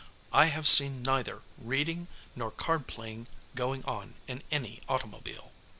I have seen neither reading nor card playing going on in any automobile.